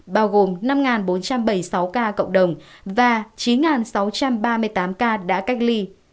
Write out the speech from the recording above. bao gồm năm bốn trăm bảy mươi sáu ca cộng đồng và chín sáu trăm ba mươi tám ca đã cách ly